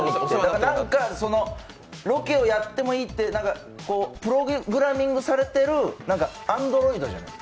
ロケをやってもいいってプログラミングされてるアンドロイド。